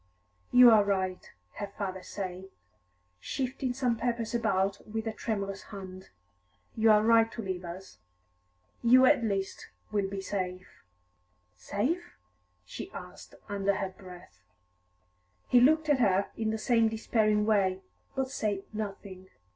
"You are right," her father said, shifting some papers about with a tremulous hand. "You are right to leave us. You at least will be safe." "Safe?" she asked, under her breath. He looked at her in the same despairing way, but said nothing.